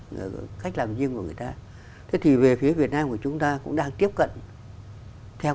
người ta khách làm riêng của người ta thế thì về phía việt nam của chúng ta cũng đang tiếp cận theo